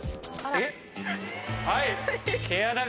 えっ！？